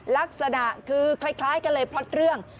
ลักษณะคือคล้ายกันเลยพล็อตเรื่อง